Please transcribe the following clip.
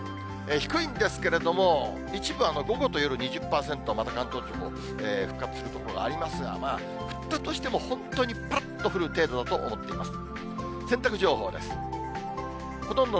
低いんですけれども、一部、午後と夜２０％、また関東地方、復活する所がありますが、まあ降ったとしても、本当にぱらっと降る程度だと思っています。